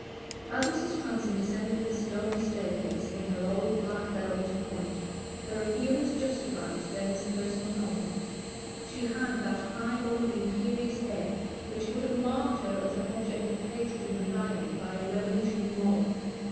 As Mrs. Transome descended the stone staircase in her old black velvet and point, her appearance justified Denner's personal compliment. She had that high born, imperious air which would have marked her as an object of hatred and reviling by a revolutionary mob.